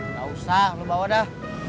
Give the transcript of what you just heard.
gak usah lu bawa dah